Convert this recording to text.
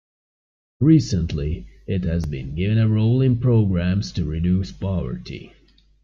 Recently, it has been given a role in programs to reduce poverty.